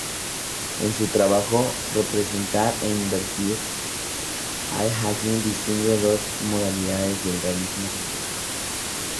En su trabajo "Representar e intervenir" Ian Hacking distingue dos modalidades del realismo científico.